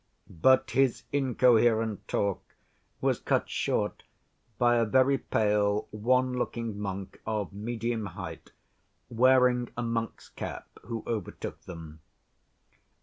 But his incoherent talk was cut short by a very pale, wan‐looking monk of medium height, wearing a monk's cap, who overtook them.